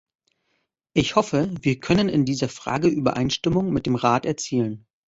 Ich hoffe, wir können in dieser Frage Übereinstimmung mit dem Rat erzielen.